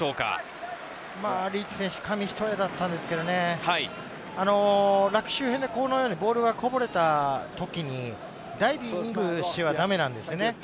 リーチ選手、紙一重だったんですけど、ラック周辺でボールがこぼれた時に、ダイビングしてはだめなんですよね。